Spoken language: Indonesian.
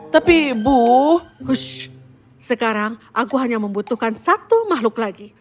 tapi bu sekarang aku hanya membutuhkan satu mahluk lagi